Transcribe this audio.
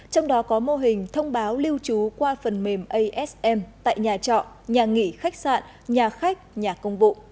trong đó có mô hình thông báo lưu trú qua phần mềm asm tại nhà trọ nhà nghỉ khách sạn nhà khách nhà công vụ